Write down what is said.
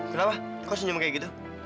kenapa kok senyum kayak gitu